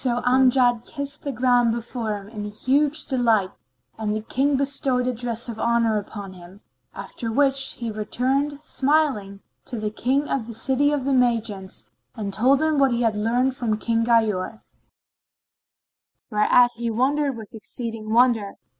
So Amjad kissed the ground before him in huge delight and the King bestowed a dress of honour upon him, after which he returned, smiling, to the King of the City of the Magians and told him what he had learnt from King Ghayur, whereat he wondered with exceeding wonder.